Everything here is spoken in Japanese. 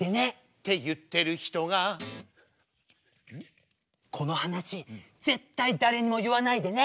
って言ってる人がこの話絶対誰にも言わないでね。